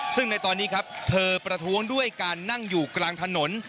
ซึ่งในตอนนี้ครับเธอประท้วงด้วยการนั่งอยู่กลางถนน